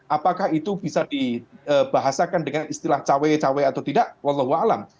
apakah itu bisa dibahasakan dengan istilah cawe cawe atau tidak wallahualam ⁇